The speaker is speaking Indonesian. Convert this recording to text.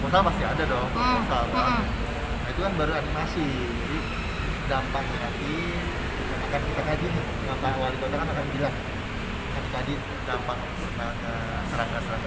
tadi tadi dampak serangga serangga segelar